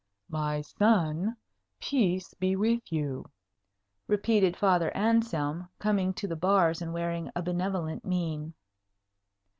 "My son, peace be with you!" repeated Father Anselm, coming to the bars and wearing a benevolent mien.